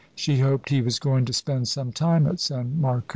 She hoped he was going to spend some time at San Marco.